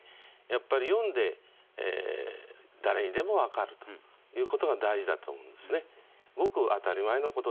やっぱり読んで誰にでも分かるということが大事だと思うんですね。